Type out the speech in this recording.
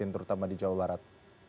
terutama di jawa barat